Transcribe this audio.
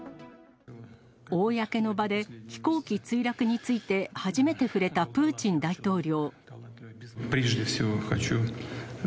公の場で飛行機墜落について初めて触れたプーチン大統領。